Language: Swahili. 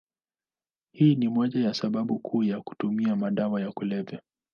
Hii ni moja ya sababu kuu ya kutumia madawa ya kulevya.